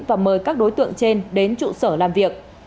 và mời các đối tượng trên đến trụ sở làm việc